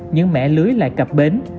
những mẻ lưới lại cặp bến